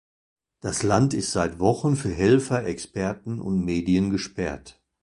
Das Land ist seit Wochen für Helfer, Experten und Medien gesperrt.